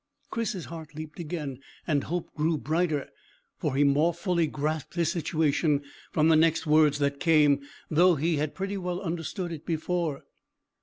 Chris's heart leaped again, and hope grew brighter, for he more fully grasped his situation from the next words that came, though he had pretty well understood it before.